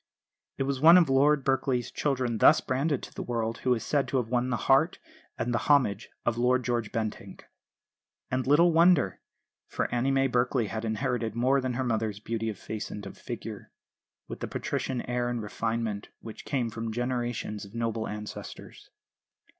It was one of Lord Berkeley's children thus branded to the world who is said to have won the heart and the homage of Lord George Bentinck. And little wonder; for Annie May Berkeley had inherited more than her mother's beauty of face and of figure, with the patrician air and refinement which came from generations of noble ancestors.